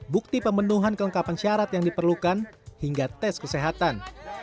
bukti pemenuhan kelengkapan syarat yang diperlukan hingga tes kesehatan